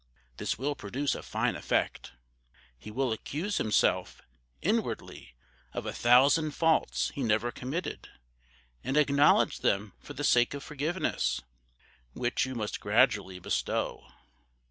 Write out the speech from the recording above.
This will produce a fine effect! He will accuse himself, inwardly, of a thousand faults he never committed, and acknowledge them for the sake of forgiveness, which you must gradually bestow.